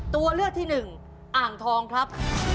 ตัวเลือกที่หนึ่งอ่างทองครับ